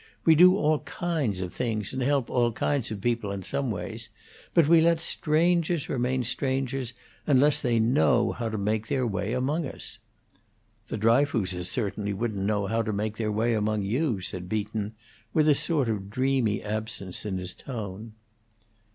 We do all kinds of things, and help all kinds of people in some ways, but we let strangers remain strangers unless they know how to make their way among us." "The Dryfooses certainly wouldn't know how to make their way among you," said Beaton, with a sort of dreamy absence in his tone.